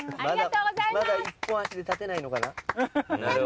まだ一本足で立てないのかな。